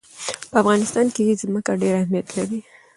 په افغانستان کې ځمکه ډېر اهمیت لري.